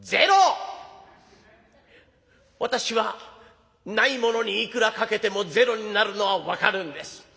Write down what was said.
私はないものにいくら掛けても０になるのは分かるんです。